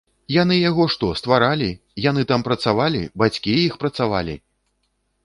Яны яго што, стваралі, яны там працавалі, бацькі іх працавалі?!